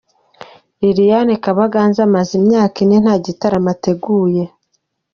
Liliane Kabaganza amaze imyaka ine nta gitaramo ateguye.